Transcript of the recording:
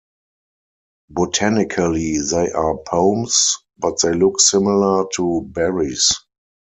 Botanically they are pomes, but they look similar to berries.